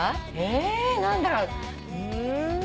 え何だろう。